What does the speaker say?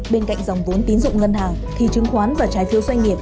bên cạnh dòng vốn tín dụng ngân hàng thì chứng khoán và trái phiếu doanh nghiệp